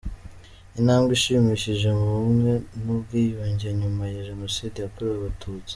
Intambwe ishimishije mu bumwe n’ubwiyunge nyuma ya Jenoside yakorewe Abatutsi.